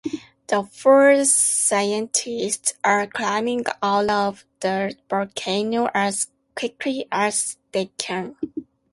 The four scientists are climbing out of the volcano as quickly as they can.